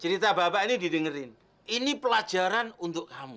cerita bapak ini didengerin ini pelajaran untuk kamu